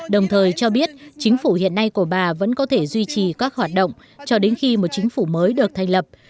đồng thời cho biết chính phủ hiện nay của bà vẫn có thể duy trì các hoạt động cho đến khi một chính phủ mới được thành lập